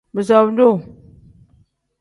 Bisaawu duu.